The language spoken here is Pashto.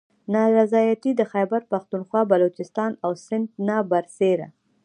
نا رضایتي د خیبر پښتونخواه، بلوچستان او سند نه بر سیره